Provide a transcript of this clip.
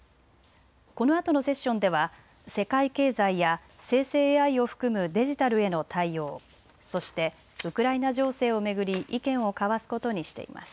このあとのセッションでは世界経済や生成ＡＩを含むデジタルへの対応、そしてウクライナ情勢を巡り意見を交わすことにしています。